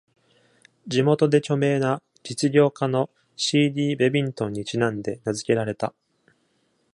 地元で著名な実業家の C. D. ベビントンにちなんで名付けられた。